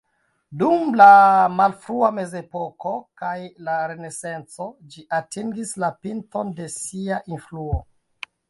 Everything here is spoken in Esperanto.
Dum la malfrua mezepoko kaj la renesanco ĝi atingis la pinton de sia influo.